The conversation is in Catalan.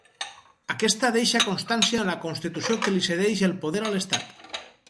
Aquesta deixa constància en la constitució que li cedeix el poder a l'estat.